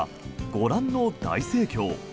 ご覧の大盛況。